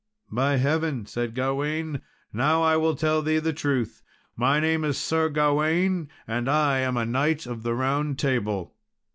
"By heaven!" said Gawain, "now will I tell thee the truth. My name is Sir Gawain, and I am a knight of the Round Table."